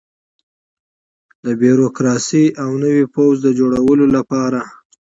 د بیروکراسۍ او نوي پوځ د جوړولو لپاره.